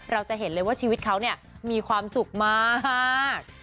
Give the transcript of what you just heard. เราจะเห็นเลยว่าชีวิตเขาเนี่ยมีความสุขมาก